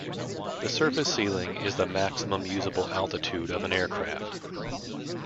The service ceiling is the maximum usable altitude of an aircraft.